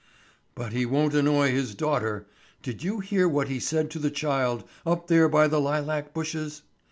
"But he won't annoy his daughter. Did you hear what he said to the child, up there by the lilac bushes?"